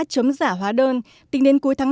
chấm giả hóa đơn tính đến cuối tháng năm